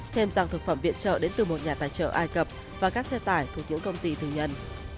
thêm rằng thực phẩm viện trợ đến từ một nhà tài trợ ai cập và các xe tải thuộc những công ty thường nhân